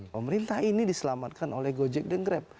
pemerintah ini diselamatkan oleh gojek dan grab